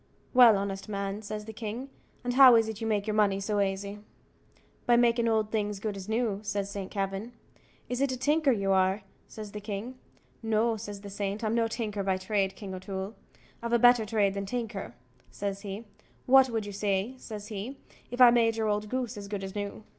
"Well, honest man," says the king, "and how is it you make your money so aisy?" "By makin' old things as good as new," says Saint Kavin. "Is it a tinker you are?" says the king. "No," says the saint; "I'm no tinker by trade, King O'Toole; I've a better trade than a tinker," says he "what would you say," says he, "If I made your old goose as good as new?"